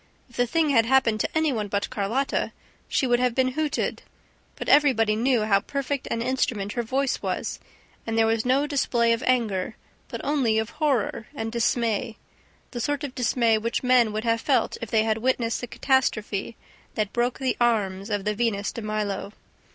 If the thing had happened to any one but Carlotta, she would have been hooted. But everybody knew how perfect an instrument her voice was; and there was no display of anger, but only of horror and dismay, the sort of dismay which men would have felt if they had witnessed the catastrophe that broke the arms of the Venus de Milo...